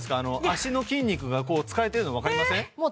脚の筋肉が使えてるの分かりません？